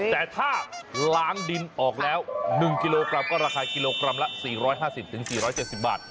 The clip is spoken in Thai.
แต่ถ้าล้างดินออกแล้ว๑กิโลกรัมก็ราคากิโลกรัมละ๔๕๐๔๗๐บาท